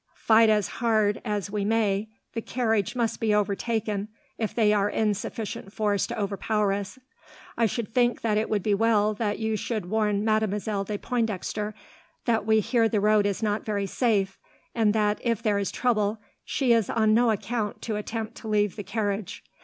Fight as hard as we may, the carriage must be overtaken if they are in sufficient force to overpower us. I should think that it would be well that you should warn Mademoiselle de Pointdexter that we hear the road is not very safe, and that, if there is trouble, she is on no account to attempt to leave the carriage.